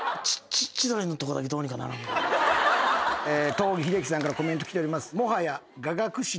東儀秀樹さんからコメントきております。